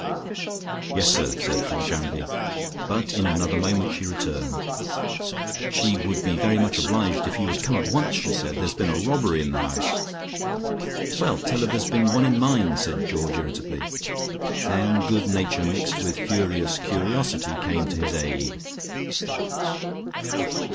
"Yes, sir," said Foljambe, but in another moment she returned. "She would be very much obliged if you would come at once," she said. "There's been a robbery in the house." "Well, tell her there's been one in mine," said Georgie irritably. Then good nature mixed with furious curiosity came to his aid.